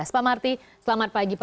pak marty selamat pagi pak